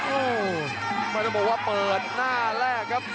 โอ้โหไม่ต้องบอกว่าเปิดหน้าแรกครับ